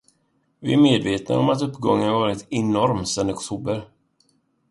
Vi är medvetna om att uppgången varit enorm sedan i oktober.